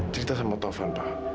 cerita sama tuhan pak